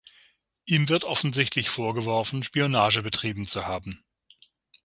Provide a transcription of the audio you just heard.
Ihm wird offensichtlich vorgeworfen, Spionage betrieben zu haben.